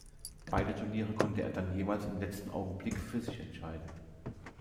Beide Turniere konnte er dann jeweils im letzten Augenblick für sich entscheiden.